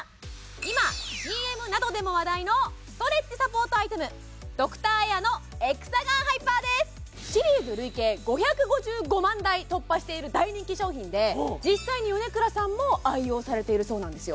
今ＣＭなどでも話題のストレッチサポートアイテムしている大人気商品で実際に米倉さんも愛用されているそうなんですよ